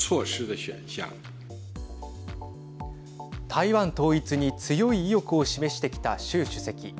台湾統一に強い意欲を示してきた習主席。